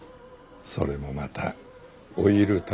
それもまた老いる楽しみかと。